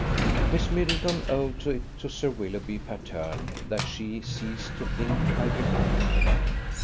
Miss Middleton owed it to Sir Willoughby Patterne that she ceased to think like a girl.